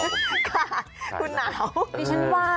ค่ะคุณหนาว